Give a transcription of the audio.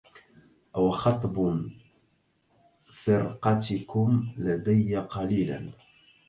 أوخطب فرقتكم لدي قليلا